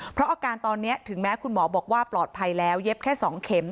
เพราะอาการตอนนี้ถึงแม้คุณหมอบอกว่าปลอดภัยแล้วเย็บแค่๒เข็ม